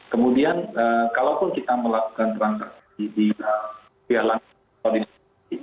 kemudian kalaupun kita melakukan transaksi di pihak lain